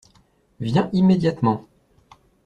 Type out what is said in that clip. Viens immédiatement.